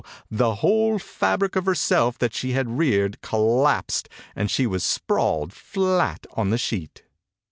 the whole fabric of herself that she had reared, collapsed, and she was sprawled flat on the sheet.